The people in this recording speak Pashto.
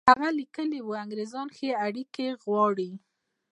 هغه لیکلي وو انګرېزان ښې اړیکې غواړي.